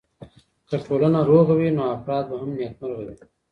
که ټولنه روغه وي نو افراد به هم نېکمرغه وي.